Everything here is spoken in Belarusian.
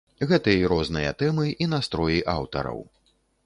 Гэта і розныя тэмы і настроі аўтараў.